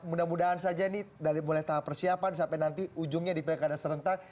mudah mudahan saja ini dari mulai tahap persiapan sampai nanti ujungnya di pilkada serentak